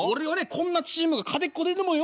こんなチームが勝てっこねえと思うよ」。